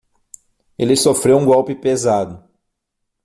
Ele sofreu um golpe pesado